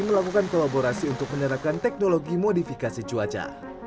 melakukan kolaborasi untuk menerapkan teknologi modifikasi cuaca